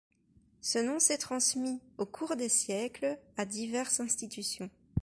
Ce nom s'est transmis, au cours des siècles, à diverses institutions.